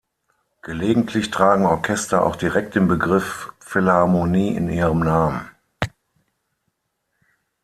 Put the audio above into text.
Gelegentlich tragen Orchester auch direkt den Begriff "Philharmonie" in ihrem Namen.